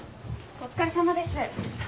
お疲れさまです。